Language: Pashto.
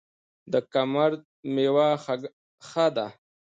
د کهمرد میوه ښه ده